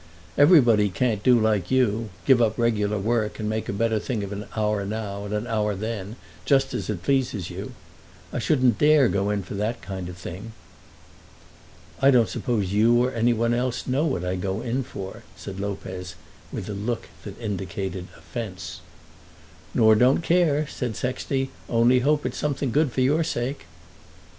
Everybody can't do like you; give up regular work, and make a better thing of an hour now and an hour then, just as it pleases you. I shouldn't dare go in for that kind of thing." "I don't suppose you or any one else know what I go in for," said Lopez, with a look that indicated offence. "Nor don't care," said Sexty; "only hope it's something good for your sake."